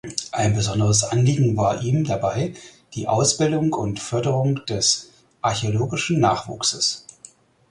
Ein besonderes Anliegen war ihm dabei die Ausbildung und Förderung des archäologischen Nachwuchses.